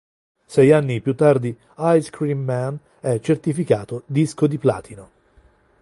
Sei anni più tardi, "Ice Cream Man" è certificato disco di platino.